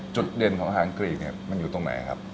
จุดเด่นของอาหารกรีกเนี่ยมันอยู่ตรงไหนครับ